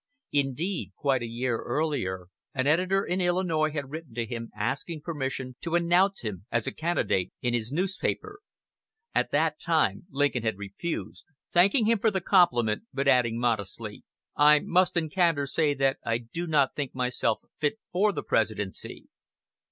Indeed, quite a year earlier, an editor in Illinois had written to him asking permission to announce him as a candidate in his newspaper. At that time Lincoln had refused, thanking him for the compliment, but adding modestly: "I must in candor say that I do not think myself fit for the Presidency."